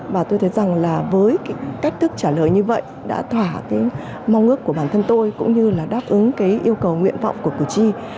và tôi thấy rằng là với cách thức trả lời như vậy đã thỏa mong ước của bản thân tôi cũng như là đáp ứng yêu cầu nguyện vọng của củ chi